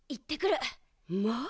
まあ！